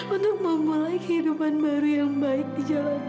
untuk memulai kehidupan baru yang baik di jalanmu ya allah